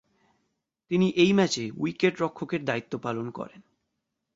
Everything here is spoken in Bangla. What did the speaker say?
তিনি এই ম্যাচে উইকেট-রক্ষকের দায়িত্ব পালন করেন।